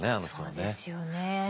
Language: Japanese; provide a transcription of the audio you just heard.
そうですよね。